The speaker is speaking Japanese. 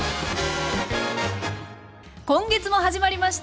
今月も始まりました。